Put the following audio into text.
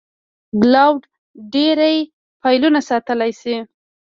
کلاوډ ډېری فایلونه ساتلی شي.